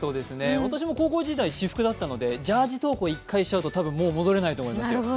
私も高校時代私服だったのでジャージ登校、一回しちゃうと、もう戻れないと思いますよ。